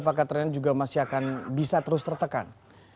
apakah trennya juga masih akan bisa terus tertekan